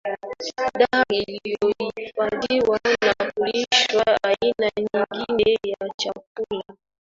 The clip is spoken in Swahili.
dart iliyohifadhiwa na kulishwa aina nyingine ya chakula